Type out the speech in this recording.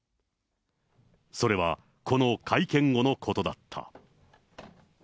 それはこの会見後のことだった。